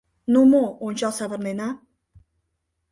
— Ну мо, ончал савырнена.